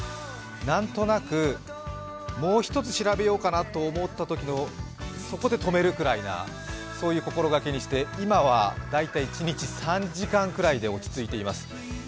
なんとなく、もう一つ調べようかなと思ったときの、そこで止めるくらいな、そういう心がけにして今は大体一日３時間ぐらいで落ち着いています。